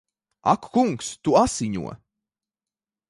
Ak kungs! Tu asiņo!